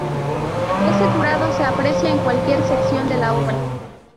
Ese curado se aprecia en cualquier sección de la obra.